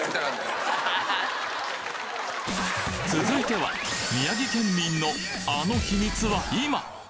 続いては宮城県民のあの秘密は今！？